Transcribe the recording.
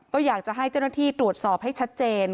ก็อยากจะให้เจ้าหน้าที่ตรวจสอบให้ชัดเจน